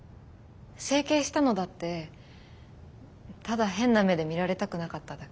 整形したのだってただ変な目で見られたくなかっただけ。